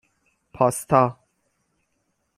پاستا